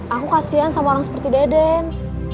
aku kasian sama orang seperti deden